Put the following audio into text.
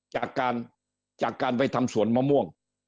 จากการไปทำสวนมะม่วง